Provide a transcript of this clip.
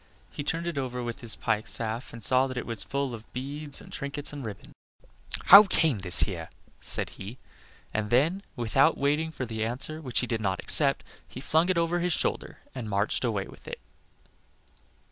He turned it over with his pike staff and saw that it was full of beads and trinkets and ribbons. "How came this here?" said he. And then, without waiting for the answer which he did not expect, he flung it over his shoulder and marched away with it.